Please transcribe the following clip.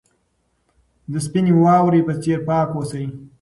د سپینې واورې په څېر پاک اوسئ.